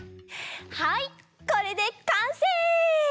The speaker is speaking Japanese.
はいこれでかんせい！